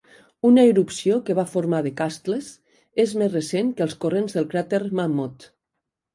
Una erupció que va formar The Castles és més recent que els corrents del cràter Mammoth.